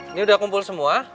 ini udah kumpul semua